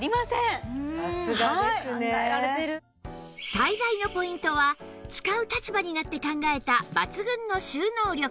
最大のポイントは使う立場になって考えた抜群の収納力